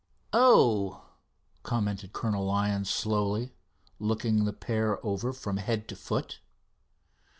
"Oh!" commented Colonel Lyon slowly, looking the pair over from head to foot.